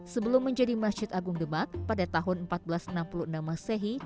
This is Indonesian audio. sebelum menjadi masjid agung demak pada tahun seribu empat ratus enam puluh enam masehi